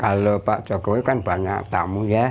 halo pak jokowi kan banyak tamu ya